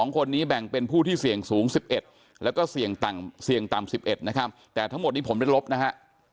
๒คนนี้แบ่งเป็นผู้ที่เสี่ยงสูง๑๑แล้วก็เสี่ยงต่ำ๑๑นะครับแต่ทั้งหมดนี้ผมได้ลบนะฮะ